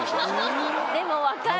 でもわかる！